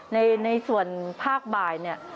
ในส่วนภาคบ่ายเนี่ย